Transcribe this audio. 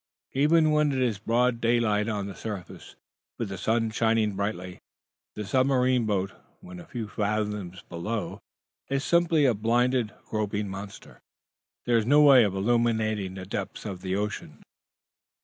Even when it is broad daylight on the surface, with the sun shining brightly, the submarine boat, when a few fathoms below, is simply a blinded, groping monster. There is no way of illuming the depths of the ocean.